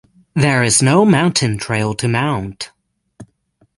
There is no mountain trail to Mt.